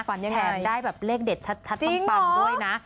ฝันยังไงจริงเหรอจริงเหรอแฟนได้เรกเดชชัดบางด้วยนะ